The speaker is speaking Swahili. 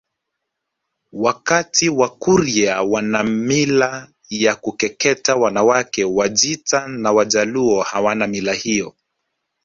wakati Wakurya wana mila ya kukeketa wanawake Wajita na Wajaluo hawana mila hiyo